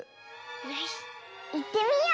よしいってみよう！